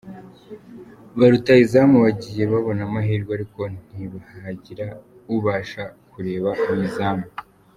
Ba rutahizamu bagiye babona amahirwe ariko ntihagira ubasha kureba mu izamu.